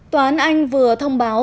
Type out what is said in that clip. tòa án anh vừa thông báo